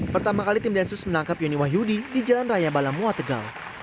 pertama kali tim densus menangkap yoni wahyudi di jalan raya balamua tegal